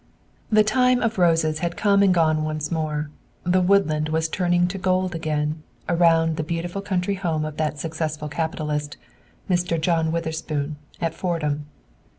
The time of roses had come and gone once more. The woodland was turning to gold again around the beautiful country home of that successful capitalist, Mr. John Witherspoon, at Fordham.